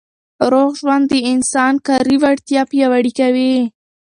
روغ ژوند د انسان کاري وړتیا پیاوړې کوي.